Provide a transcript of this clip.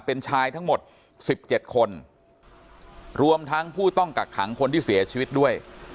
เป็นชายทั้งหมด๑๗คนรวมทั้งผู้ต้องกักขังคนที่เสียชีวิตด้วย